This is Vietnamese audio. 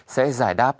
sẽ giải đáp